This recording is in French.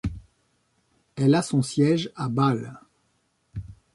Elle a son siège à Bâle.